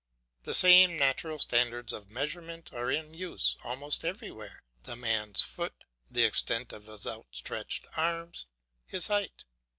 The same natural standards of measurement are in use almost everywhere, the man's foot, the extent of his outstretched arms, his height.